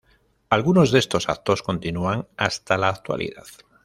Algunos de estos actos continúan hasta la actualidad.